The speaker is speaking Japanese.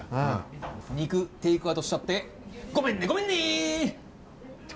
肉テイクアウトしちゃってごめんねごめんね。